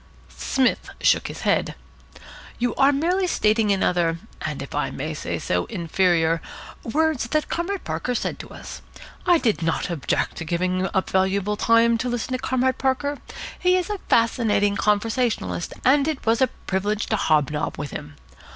Psmith shook his head. "You are merely stating in other and, if I may say so, inferior words what Comrade Parker said to us. I did not object to giving up valuable time to listen to Comrade Parker. He is a fascinating conversationalist, and it was a privilege to hob nob with him.